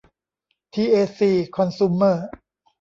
ที เอ ซี คอนซูเมอร์